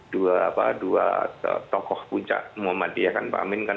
dua tokoh puncak muhammadiyah kan pak amin kan